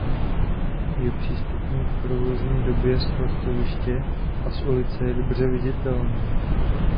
Je přístupný v provozní době sportoviště a z ulice je dobře viditelný.